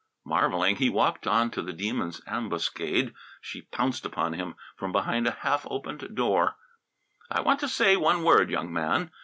Marvelling, he walked on to the Demon's ambuscade. She pounced upon him from behind a half opened door. "I want to say one word, young man.